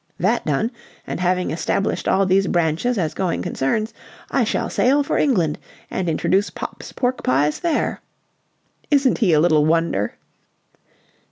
That done, and having established all these branches as going concerns, I shall sail for England and introduce Popp's Pork pies there...' Isn't he a little wonder!"